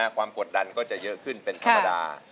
กดดันก็จะเยอะขึ้นเป็นธรรมดา